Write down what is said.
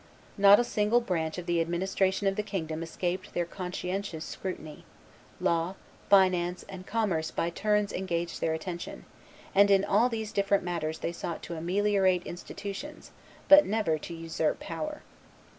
Not a single branch of the administration of the kingdom escaped their conscientious scrutiny: law, finance, and commerce by turns engaged their attention; and in all these different matters they sought to ameliorate institutions, but never to usurp power.